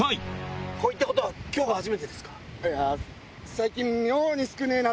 最近。